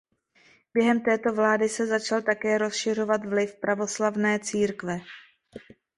Během této vlády se začal také rozšiřovat vliv pravoslavné církve.